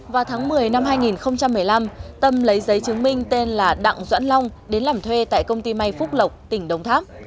vào tháng một mươi năm hai nghìn một mươi năm tâm lấy giấy chứng minh tên là đặng doãn long đến làm thuê tại công ty may phúc lộc tỉnh đồng tháp